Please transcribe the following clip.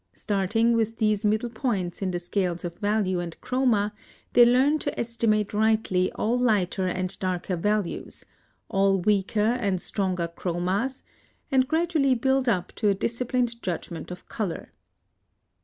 Starting with these middle points in the scales of Value and Chroma, they learn to estimate rightly all lighter and darker values, all weaker and stronger chromas, and gradually build up a disciplined judgment of color.